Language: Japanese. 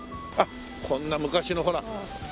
あっこんな昔のほら。